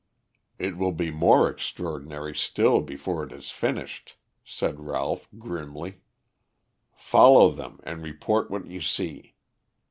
"It will be more extraordinary still before it is finished," Ralph said grimly. "Follow them and report what you see.